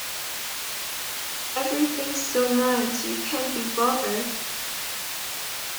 Everything's so nice you can't be bothered'.